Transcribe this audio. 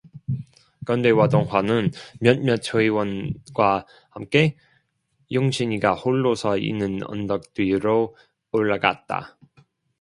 건배와 동화는 몇몇 회원과 함께 영신이가 홀로 서 있는 언덕 뒤로 올라갔다.